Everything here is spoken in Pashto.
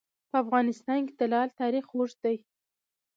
په افغانستان کې د لعل تاریخ اوږد دی.